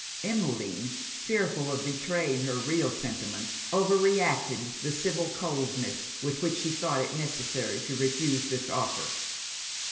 Emmeline, fearful of betraying her real sentiments, overacted the civil coldness with which she thought it necessary to refuse this offer.